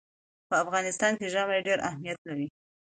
په افغانستان کې ژمی ډېر اهمیت لري.